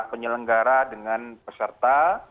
penyelenggara dengan peserta